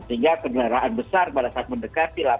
sehingga kendaraan besar pada saat mendekati traffic light